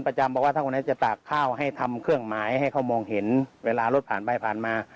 เพราะตากแค่เห็นเวลารถผ่านไปผ่านมา